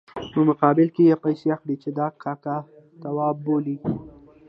په مقابل کې یې پیسې اخلي چې دا کاکه توب بولي.